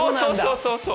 そうそうそう。